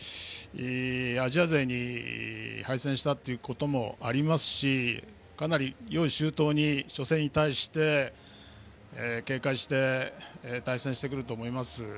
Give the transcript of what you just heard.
アジア勢に敗戦したということもありますしかなり用意周到に初戦に対して警戒して対戦してくると思います。